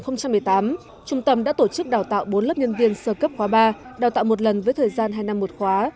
năm hai nghìn một mươi tám trung tâm đã tổ chức đào tạo bốn lớp nhân viên sơ cấp khóa ba đào tạo một lần với thời gian hai năm một khóa